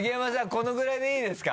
このぐらいでいいですか？